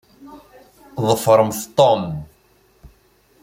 Ḍefṛemt Tom!